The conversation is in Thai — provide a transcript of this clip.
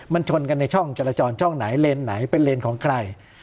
มันชนกันในช่องจรจรช่องไหนเลนไหนเป็นเลนของใคร